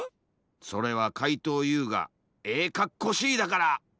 それはかいとうＵがええかっこしいだから！